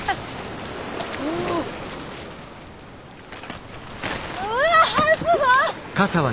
うわすごい！